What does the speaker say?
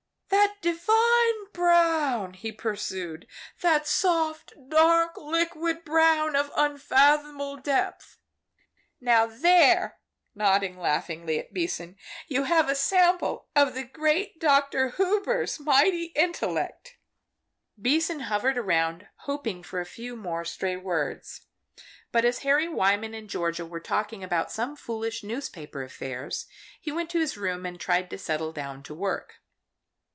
"'That divine brown,' he pursued,' that soft, dark, liquid brown of unfathomable depth!' Now there," nodding laughingly at Beason, "you have a sample of the great Dr. Hubers' mighty intellect." Beason hovered around, hoping for a few more stray words, but as Harry Wyman and Georgia were talking about some foolish newspaper affairs, he went to his room and tried to settle down to work.